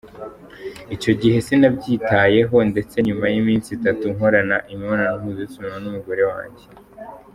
Icyo gihe sinabyitayeho ndetse nyuma y’iminsi itatu nkorana imibonano mpuzabitsina n’umugore wanjye.